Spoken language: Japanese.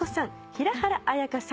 平原綾香さん